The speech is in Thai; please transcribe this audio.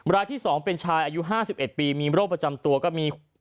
รายที่๒เป็นชายอายุ๕๑ปีมีโรคประจำตัวก็มี